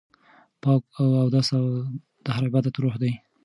پاک اودس د هر عبادت روح دی.